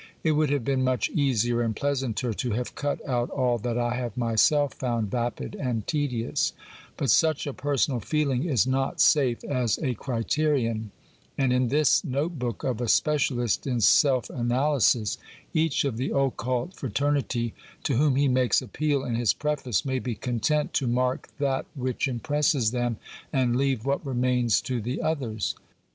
It would have been much easier and pleasanter to have cut out all that I have myself found vapid and tedious, but such a personal feeling is not safe as a criterion, and in this note book of a specialist in self analysis, each of the occult fraternity to whom he makes appeal in his preface may be content to mark that which impresses them and leave what remains to the others.